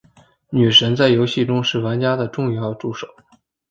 女神在游戏中是玩家的重要助手。